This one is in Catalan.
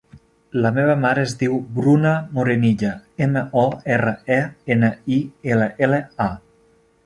La meva mare es diu Bruna Morenilla: ema, o, erra, e, ena, i, ela, ela, a.